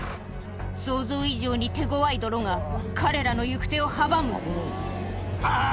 想像以上に手ごわい泥が彼らの行く手を阻むあぁ